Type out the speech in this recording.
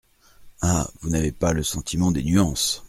Ah ! vous n’avez pas le sentiment des nuances.